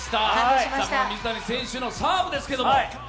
水谷選手のサーブですけど。